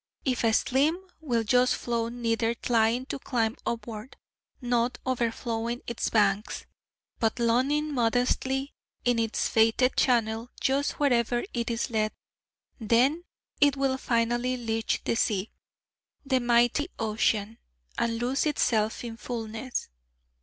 If a stleam will just flow, neither tlying to climb upward, nor over flowing its banks, but lunning modestly in its fated channel just wherever it is led, then it will finally leach the sea the mighty ocean and lose itself in fulness.'